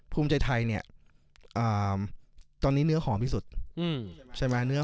ภูมิใจไทยเนี้ยอ่าตอนนี้เนื้อหอมที่สุดอืมใช่ไหมเนื้อหอม